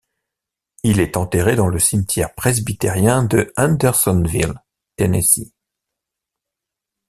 Il est enterré dans le cimetière presbytérien de Hendersonville, Tennessee.